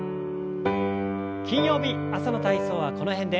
金曜日朝の体操はこの辺で。